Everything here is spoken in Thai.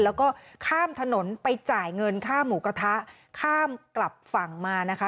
แล้วก็ข้ามถนนไปจ่ายเงินค่าหมูกระทะข้ามกลับฝั่งมานะคะ